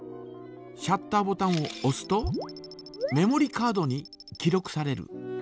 シャッターボタンをおすとメモリカードに記録される。